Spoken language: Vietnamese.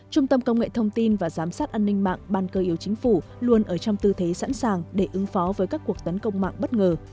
trung tâm công nghệ thông tin và giám sát an ninh mạng ban cơ yếu chính phủ luôn ở trong tư thế sẵn sàng để ứng phó với các cuộc tấn công mạng bất ngờ